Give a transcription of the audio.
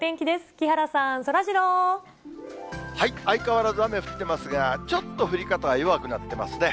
木原さん、そらジロー。相変わらず雨降ってますが、ちょっと降り方は弱くなってますね。